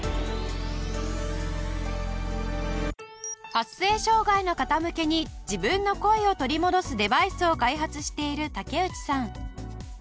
発声障害の方向けに自分の声を取り戻すデバイスを開発している竹内さん。